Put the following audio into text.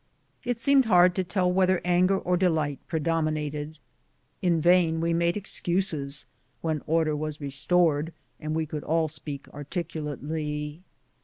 It seemed hard to tell whether anger or delight predominated. In vain we made excuses, when order was restored and we could all speak articulately.